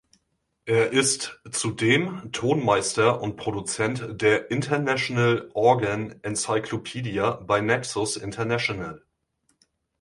Er ist zudem Tonmeister und Produzent der "International Organ Encyclopedia" bei Naxos International.